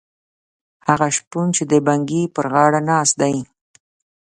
هغه شپون چې د بنګي پر غاړه ناست دی.